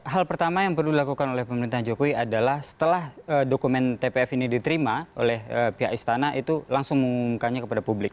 hal pertama yang perlu dilakukan oleh pemerintahan jokowi adalah setelah dokumen tpf ini diterima oleh pihak istana itu langsung mengumumkannya kepada publik